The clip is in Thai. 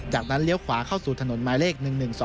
จากนั้นเลี้ยวขวาเข้าสู่ถนนหมายเลข๑๑๒